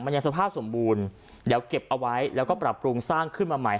ยังสภาพสมบูรณ์เดี๋ยวเก็บเอาไว้แล้วก็ปรับปรุงสร้างขึ้นมาใหม่